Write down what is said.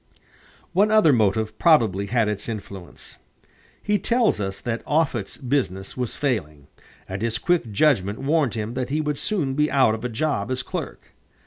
One other motive probably had its influence. He tells us that Offutt's business was failing, and his quick judgment warned him that he would soon be out of a job as clerk.